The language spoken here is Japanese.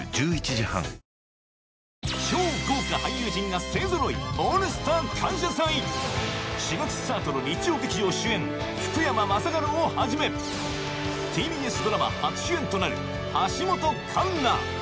だってさ「オールスター感謝祭」４月スタートの日曜劇場主演福山雅治をはじめ ＴＢＳ ドラマ初主演となる橋本環奈